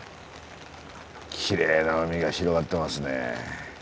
きれいな海が広がってますね。